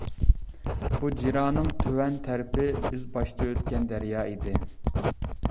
بۇ جىرانىڭ تۆۋەن تەرىپى بىز باشتا ئۆتكەن دەريا ئىدى.